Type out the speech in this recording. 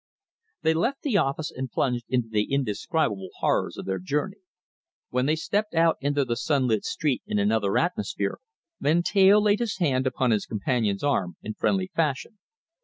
They left the office and plunged into the indescribable horrors of their journey. When they stepped out into the sunlit street in another atmosphere, Van Teyl laid his hand upon his companion's arm in friendly fashion.